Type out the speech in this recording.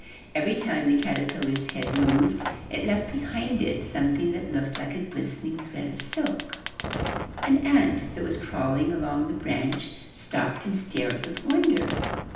Every time the caterpillar's head moved, it left behind it something that looked like a glistening thread of silk. An ant that was crawling along the branch stopped and stared with wonder.